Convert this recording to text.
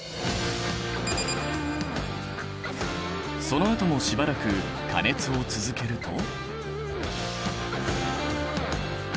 そのあともしばらく加熱を続けると。